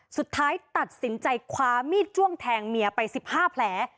สุดท้ายตัดสินใจคว้ามีดจ้วงแทงเมียไป๑๕แผล